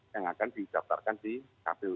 yang akan dijaftarkan di